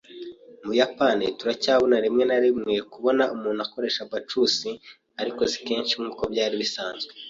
Mu Buyapani, turacyabona rimwe na rimwe kubona umuntu akoresha abacus, ariko si kenshi nkuko byari bisanzwe.